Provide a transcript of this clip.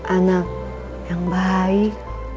anak yang baik